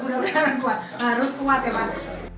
udah udah harus kuat ya pak